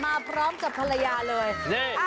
มาพร้อมกับภรรยาเลย